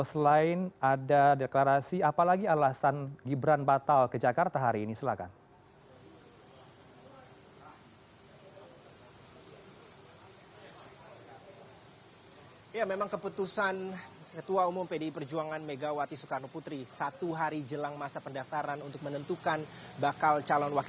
selain ada deklarasi apalagi alasan gibran batal ke jakarta hari ini silahkan